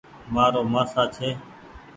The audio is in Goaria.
مآرو مآسآ ڇي ۔